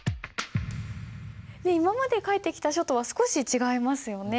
今まで書いてきた書とは少し違いますよね？